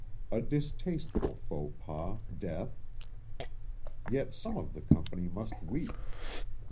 A distasteful faux pas, death. Yet some of the company must weep.